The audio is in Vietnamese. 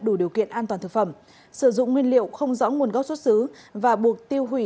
đủ điều kiện an toàn thực phẩm sử dụng nguyên liệu không rõ nguồn gốc xuất xứ và buộc tiêu hủy